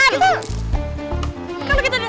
kalian kita dulu